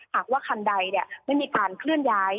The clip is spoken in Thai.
หากว่าคันใดไม่มีการเคลื่อนย้าย